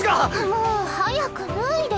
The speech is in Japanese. もう早く脱いで。